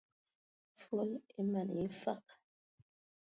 Fol e man yə afag.